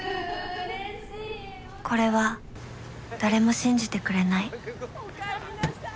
これは誰も信じてくれないおかえりなさい。